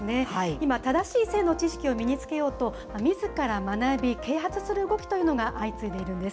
今、正しい性の知識を身につけようと、みずから学び、啓発する動きというのが相次いでいるんです。